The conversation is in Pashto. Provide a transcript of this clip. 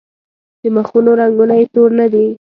د مخونو رنګونه یې تور نه دي.